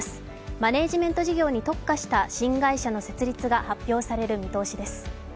マネージメント事業に特化した新会社の設立が発表される見通しです。